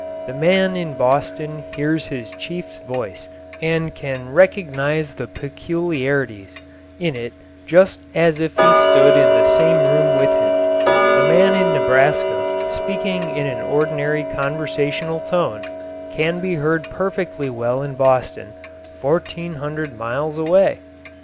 The man in Boston hears his chief's voice and can recognise the peculiarities in it just as if he stood in the same room with him. The man in Nebraska, speaking in an ordinary conversational tone, can be heard perfectly well in Boston, 1,400 miles away.